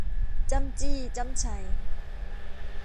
จ้ำจี้จ้ำไช